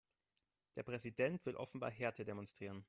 Der Präsident will offenbar Härte demonstrieren.